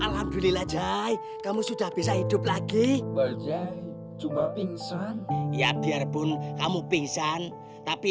alhamdulillah jay kamu sudah bisa hidup lagi cuma pingsan ya biarpun kamu pingsan tapi